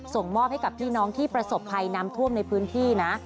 ส่งมอบให้กับพี่น้องที่ประสบภัยน้ำท่วมในพื้นที่นะ